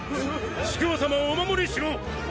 主教様をお守りしろ！